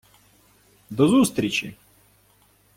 До зустрічі!